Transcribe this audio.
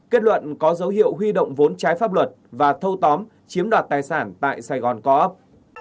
kết luận có dấu hiệu huy động vốn trái pháp luật và thâu tóm chiếm đoạt tài sản tại sài gòn co op